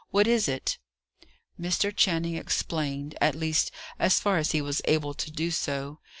What is it?" Mr. Channing explained; at least, as far as he was able to do so.